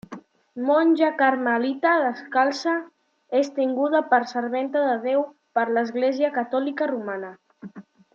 Monja carmelita descalça, és tinguda per serventa de Déu per l'Església Catòlica Romana.